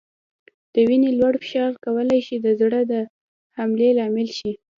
د وینې لوړ فشار کولای شي د زړه د حملې لامل شي.